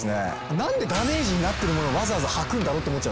何でダメージになってる物をわざわざはくんだろうって思っちゃう。